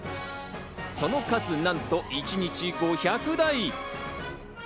その数なんと一日５００台。